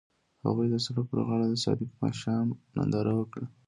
هغوی د سړک پر غاړه د صادق ماښام ننداره وکړه.